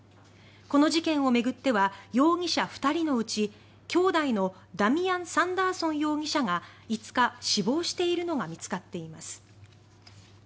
この事件を巡っては容疑者２人のうち兄弟のダミアン・サンダーソン容疑者が５日、死亡しているのが見つかっています。